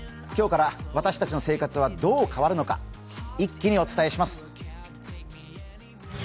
今日から私たちの生活はどう変わるのか一気にお伝えします。